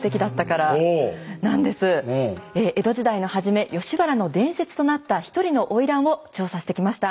江戸時代の初め吉原の伝説となった一人の花魁を調査してきました。